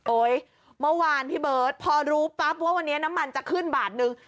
เมื่อวานพี่เบิร์ตพอรู้ปั๊บว่าวันนี้น้ำมันจะขึ้นบาทนึง